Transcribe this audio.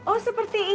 oh seperti itu